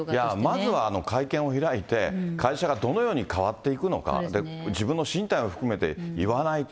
まずは会見を開いて、会社がどのように変わっていくのか、自分の進退を含めて言わないと。